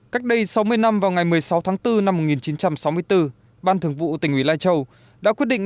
cách đây sáu mươi năm vào ngày một mươi sáu tháng bốn năm một nghìn chín trăm sáu mươi bốn ban thường vụ tỉnh ủy lai châu đã quyết định